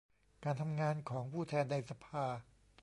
การทำงานของผู้แทนในสภา